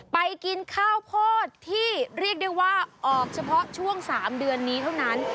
ไปกินข้าวโพดที่เรียกได้ว่าออกเฉพาะช่วง๓เดือนนี้เท่านั้น